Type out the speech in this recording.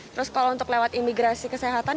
terus kalau untuk lewat imigrasi kesehatan